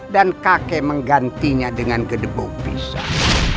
dan kakek menggantinya dengan gedebong pisah